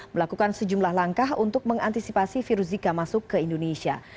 melakukan sejumlah langkah untuk mengantisipasi virus zika masuk ke indonesia